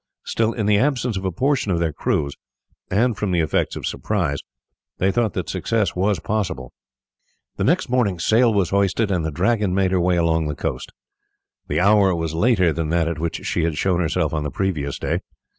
Still in the absence of a portion of their crews, and from the effects of surprise, they thought that success was possible. The next morning sail was hoisted, and the Dragon made her way along the coast. The hour was later than that at which she had shown herself on the previous day.